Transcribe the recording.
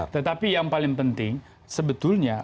tetapi yang paling penting sebetulnya